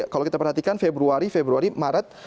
kalau kita perhatikan februari februari maret